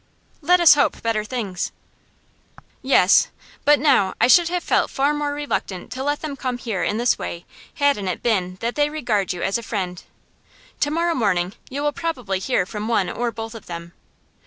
'Let us hope better things.' 'Yes. But now, I should have felt far more reluctant to let them come here in this way hadn't it been that they regard you as a friend. To morrow morning you will probably hear from one or both of them.